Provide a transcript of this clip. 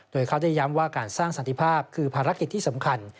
โดยเขาได้ย้ำว่าการสร้างสันติภาพคือภารกิจที่สำคัญ